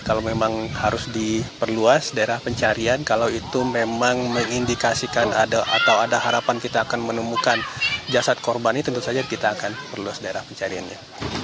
kalau memang harus diperluas daerah pencarian kalau itu memang mengindikasikan atau ada harapan kita akan menemukan jasad korban ini tentu saja kita akan perluas daerah pencariannya